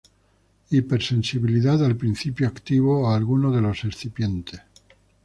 Hipersensibilidad al principio activo o a alguno de los excipientes.